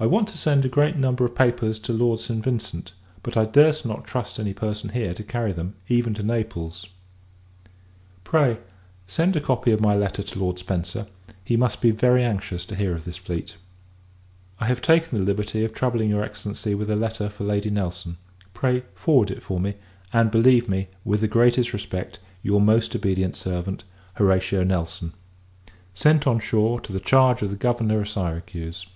I want to send a great number of papers to Lord St. Vincent; but I durst not trust any person here to carry them, even to Naples. Pray, send a copy of my letter to Lord Spencer; he must be very anxious to hear of this fleet. I have taken the liberty of troubling your Excellency with a letter for Lady Nelson. Pray, forward it for me; and believe me, with the greatest respect, your most obedient servant, HORATIO NELSON. Sent on shore, to the charge of the Governor of Syracuse.